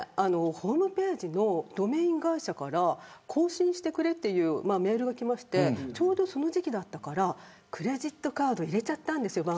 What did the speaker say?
ホームページのドメイン会社から更新してくれというメールがきましてちょうどその時期だったからクレジットカード番号入れちゃったんですよ。